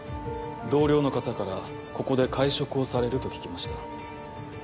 同僚の方からここで会食をされると聞きました。